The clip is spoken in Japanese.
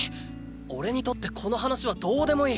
おれにとってこの話はどうでもいい。